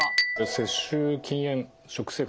「節酒」「禁煙」「食生活」